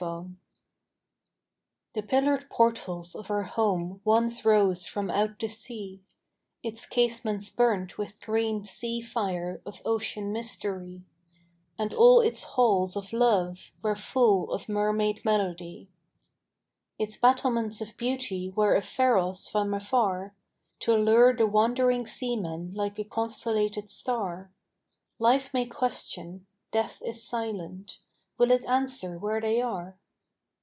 CIRCE The pillared portals of her home once rose from out the sea; Its casements burnt with green sea fire of ocean mystery; And all its halls of love were full of mermaid melody. Its battlements of beauty were a pharos from afar, To lure the wandering seamen like a constellated star: Life may question: death is silent: will it answer where they are?